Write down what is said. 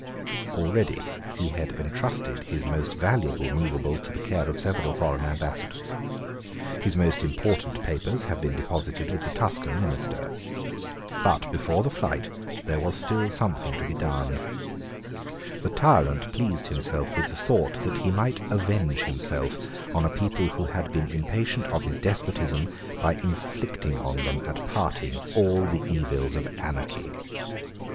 Already he had entrusted his most valuable moveables to the care of several foreign Ambassadors. His most important papers had been deposited with the Tuscan minister. But before the flight there was still something to be done. The tyrant pleased himself with the thought that he might avenge himself on a people who had been impatient of his despotism by inflicting on them at parting all the evils of anarchy.